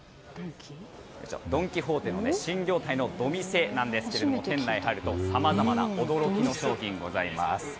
ドン・キホーテの新業態のドミセなんですけれども店内に入るとさまざまな驚きの商品があります。